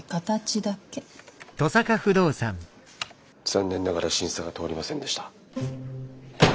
残念ながら審査が通りませんでした。